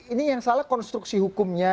ini yang salah konstruksi hukumnya